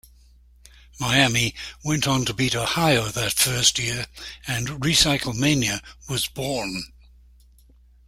Miami went on to beat Ohio that first year and RecycleMania was born.